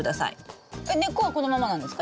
えっ根っこはこのままなんですか？